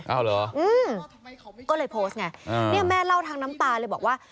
เอาเหรออืมก็เลยโพสต์ไงเนี่ยแม่เล่าทั้งน้ำตาเลยบอกว่า